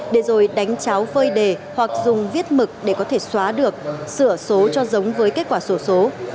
để rồi đánh cháo phơi đề hoặc dùng viết mực để có thể xóa được sửa số cho giống với kết quả sổ số